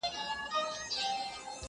زه دي نه وینم د خپل زړگي پاچا سې!